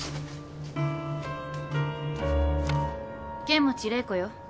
剣持麗子よ。